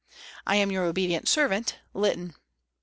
" I am, your obedient servant, " LYTTON."